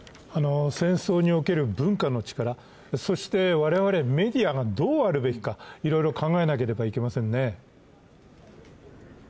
戦争における文化の力、そして我々メディアがどうあるべきかいろいろ考えなければいけませんね。